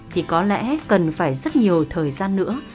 thì có lẽ cần phải rất nhiều thời gian nữa